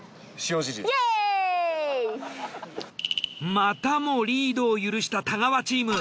またもリードを許した太川チーム。